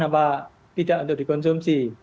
atau tidak untuk dikonsumsi